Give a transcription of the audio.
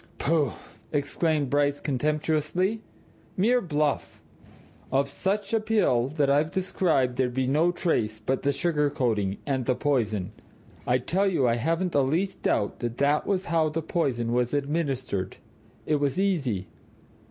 "Pooh!" exclaimed Bryce contemptuously. "Mere bluff! Of such a pill as that I've described there'd be no trace but the sugar coating and the poison. I tell you, I haven't the least doubt that that was how the poison was administered. It was easy.